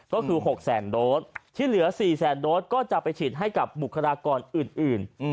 ก็คือ๖แสนโดสที่เหลือ๔แสนโดสก็จะไปฉีดให้กับบุคลากรอื่น